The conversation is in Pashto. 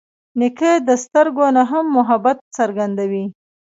نیکه د سترګو نه هم محبت څرګندوي.